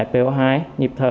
f hai nhịp thở